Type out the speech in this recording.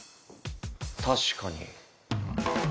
確かに。